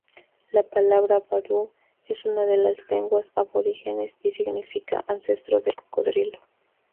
La palabra Baru es de las lenguas aborígenes y significa "ancestro del cocodrilo".